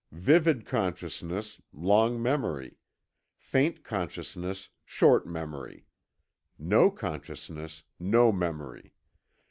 Vivid consciousness, long memory; faint consciousness, short memory; no consciousness, no memory....